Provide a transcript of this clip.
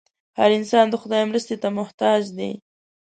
هر انسان د خدای مرستې ته محتاج دی.